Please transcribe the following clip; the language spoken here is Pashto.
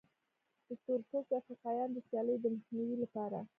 د تور پوستو افریقایانو د سیالۍ د مخنیوي لپاره.